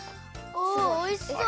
おおいしそう。